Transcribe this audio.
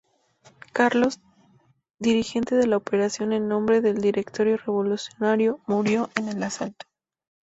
Carlos, dirigente de la operación en nombre del Directorio Revolucionario, murió en el asalto.